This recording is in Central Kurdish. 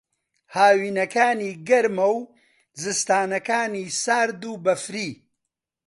ھاوینەکانی گەرمە و زستانانەکانی سارد و بەفری